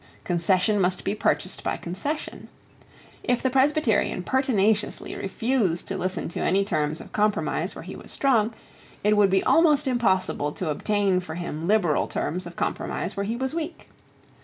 Concession must be purchased by concession. If the Presbyterian pertinaciously refused to listen to any terms of compromise where he was strong, it would be almost impossible to obtain for him liberal terms of compromise where he was weak.